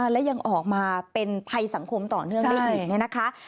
และยังออกมาเป็นภัยสังคมต่อเนื่องได้อีก